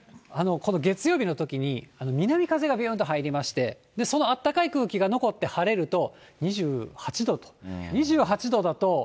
この月曜日のときに南風がびゅーんと入りまして、そのあったかい空気が残って晴れると、２８度と。